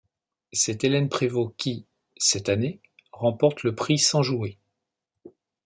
C'est Hélène Prévost qui, cette année, remporte le titre sans jouer.